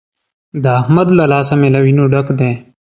د احمد له لاسه مې له وينو ډک دی.